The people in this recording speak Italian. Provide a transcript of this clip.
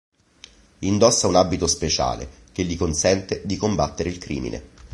Indossa un abito speciale che gli consente di combattere il crimine.